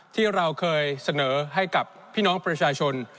ที่เราเคยเสนอให้กับพี่น้องประชาชน